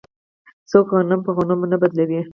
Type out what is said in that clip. څوک غنم په غنمو نه بدلوي.